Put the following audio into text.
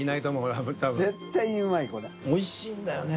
おいしいんだよね。